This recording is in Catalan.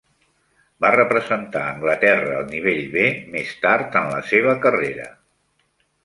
Va representar Anglaterra al nivell "B" més tard en la seva carrera.